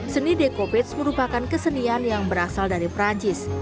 seni decopage merupakan kesenian yang berasal dari perancis